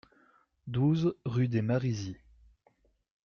douze rue des Marizys